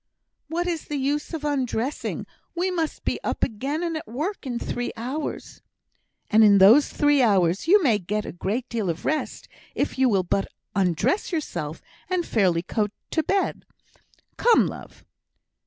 "What is the use of undressing? We must be up again and at work in three hours." "And in those three hours you may get a great deal of rest, if you will but undress yourself and fairly go to bed. Come, love."